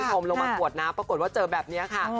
มลงมากรวดน้ำปรากฏว่าเจอแบบนี้ค่ะ